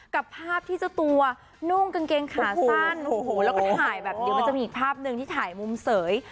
กับภาพที่เจ้าตัวนุ่งกางเกงขาสั้นโอ้โหแล้วก็ถ่ายแบบเดี๋ยวมันจะมีอีกภาพหนึ่งที่ถ่ายมุมเสย